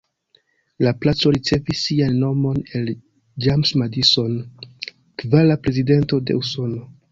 La placo ricevis sian nomon el James Madison, kvara Prezidento de Usono.